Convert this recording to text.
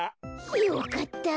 よかった。